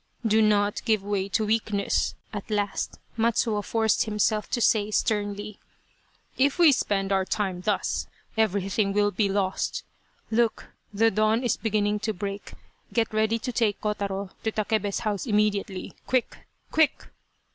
" Do not give way to weakness," at last Matsuo forced himself to say, sternly. " If we spend our time thus, everything will be lost. Look, the dawn is beginning to break. Get ready to take Kotaro to Takebe's house immediately. Quick, quick